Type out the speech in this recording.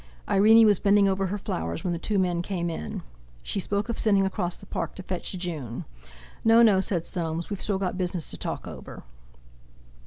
Irene was bending over her flowers when the two men came in. She spoke of sending across the Park to fetch June. "No, no," said Soames, "we've still got business to talk over!"